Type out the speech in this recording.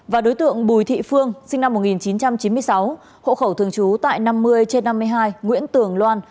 và đối tượng bùi thị phương sinh năm một nghìn chín trăm chín mươi sáu hộ khẩu thường trú tại năm mươi trên năm mươi hai nguyễn tường loan